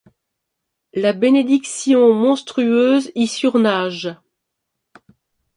La bénédiction monstrueuse y surnage ;